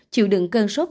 chịu đựng cơn sốt